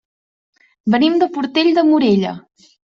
Venim de Portell de Morella.